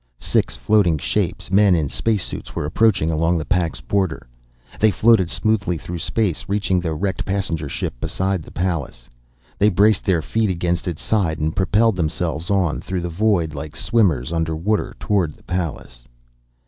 Six floating shapes, men in space suits, were approaching along the pack's border. They floated smoothly through space, reaching the wrecked passenger ship beside the Pallas. They braced their feet against its side and propelled themselves on through the void like swimmers under water, toward the Pallas.